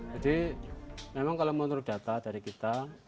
jadi memang kalau menurut data dari kita